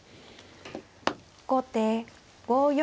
後手５四